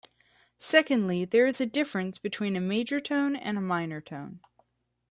Secondly, there is a difference between a major tone and a minor tone.